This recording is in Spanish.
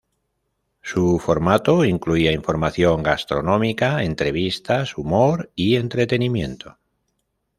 Su formato incluía información gastronómica, entrevistas, humor y entretenimiento.